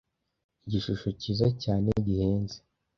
igishusho cyiza cyane gihenze